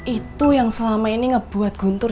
itu yang selama ini ngebuat guntur